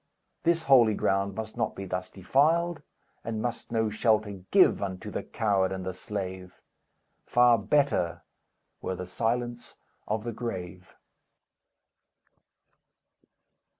This holy ground must not be thus defiled, And must no shelter give Unto the coward and the slave! Far better were the silence of the grave!"